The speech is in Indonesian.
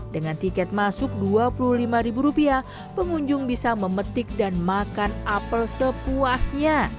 dengan tiket masuk rp dua puluh lima pengunjung bisa memetik dan makan apel sepuasnya